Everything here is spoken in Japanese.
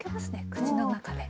口の中で。